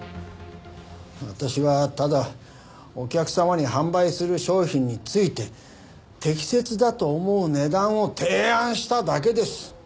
私はただお客様に販売する商品について適切だと思う値段を提案しただけです。